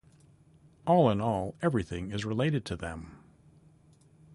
All in all, everything is related to them!